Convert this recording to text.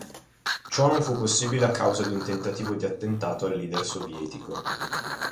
Ciò non fu possibile a causa di un tentativo di attentato al leader sovietico.